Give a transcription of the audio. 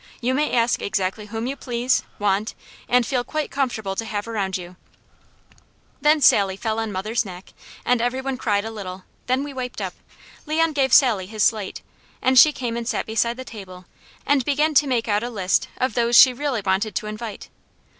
You may ask exactly whom you please, want, and feel quite comfortable to have around you " Then Sally fell on mother's neck and every one cried a while; then we wiped up, Leon gave Sally his slate, and she came and sat beside the table and began to make out a list of those she really wanted to invite.